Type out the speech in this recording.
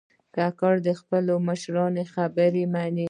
کاکړ د خپلو مشرانو خبرې منې.